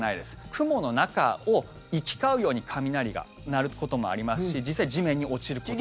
雲の中を行き交うように雷が鳴ることもありますし実際、地面に落ちることもある。